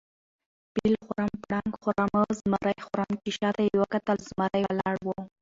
فیل خورم، پړانګ خورم، زمرى خورم . چې شاته یې وکتل زمرى ولاړ وو